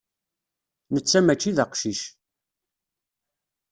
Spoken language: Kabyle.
Netta mačči d aqcic.